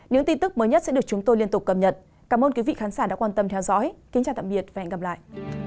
những tin tức mới nhất sẽ được chúng tôi liên tục cập nhật cảm ơn quý vị khán giả đã quan tâm theo dõi kính chào tạm biệt và hẹn gặp lại